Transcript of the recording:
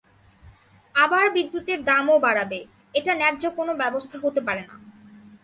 আবার বিদ্যুতের দামও বাড়াবে, এটা ন্যায্য কোনো ব্যবস্থা হতে পারে না।